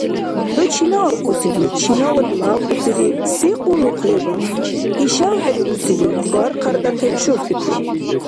— ХӀу чина аркьусири? Чинавад лявкьусири? Се къуллукъ леба? Ишав хӀерирусирив? — хьар-хъардяхъиб шупирли.